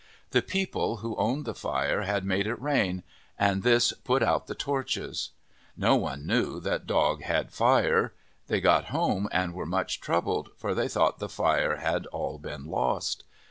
The people who owned the fire had made it rain and this put out the torches. No one knew that Dog had fire. They got home and were much troubled, for they thought the fire had all been lost.